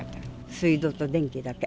水道と電気だけ。